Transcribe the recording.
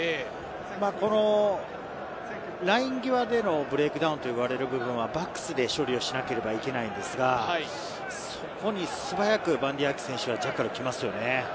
このライン際でのブレークダウンと言われる部分はバックスで処理をしなければいけないんですが、そこに素早くバンディー・アキ選手はジャッカルいきますよね。